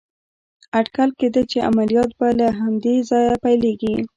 اټکل کېده چې عملیات به له همدې ځایه پيلېږي.